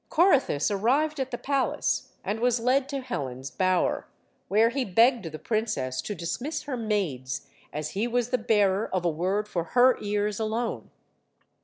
Corythus arrived at the palace, and was led to Helen's bower, where he begged the princess to dismiss her maids, as he was the bearer of a word for her ears alone.